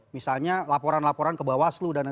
misalnya laporan laporan kebawah selu dan lain lain